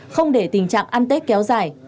không để tình trạng ăn tết kéo dài